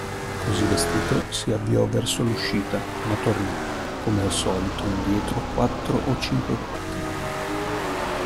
Così vestito, si avviò verso l'uscita, ma tornò, come al solito, indietro quattro o cinque volte.